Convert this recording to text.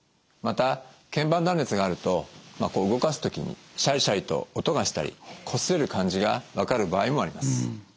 また腱板断裂があるとこう動かす時にシャリシャリと音がしたりこすれる感じが分かる場合もあります。